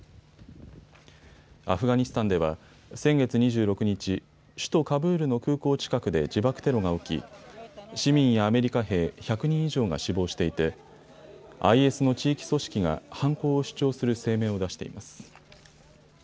アフガニスタンでは先月２６日、首都カブールの空港近くで自爆テロが起き市民やアメリカ兵１００人以上が死亡していてＩＳの地域組織が犯行を主張する声明を出しています。